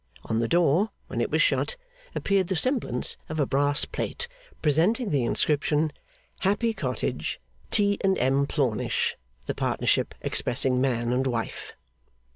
On the door (when it was shut), appeared the semblance of a brass plate, presenting the inscription, Happy Cottage, T. and M. Plornish; the partnership expressing man and wife.